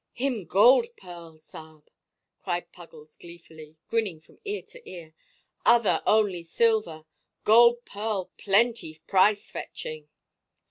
"Him gold pearl, sa'b!" cried Puggles gleefully, grinning from ear to ear. "Other only silver. Gold pearl plenty price fetching."